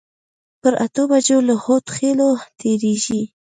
پر اتو بجو له هودخېلو تېرېږي.